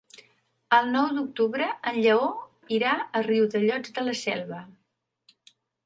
El nou d'octubre en Lleó irà a Riudellots de la Selva.